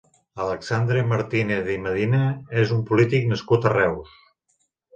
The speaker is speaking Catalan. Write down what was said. Alexandre Martínez i Medina és un polític nascut a Reus.